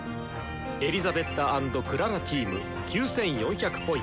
エリザベッタ＆クララチーム９４００Ｐ。